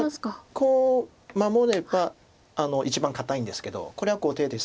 こう守れば一番堅いんですけどこれは後手です。